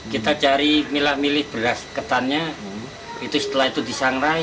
kita cari milah milih beras ketannya setelah itu disangrai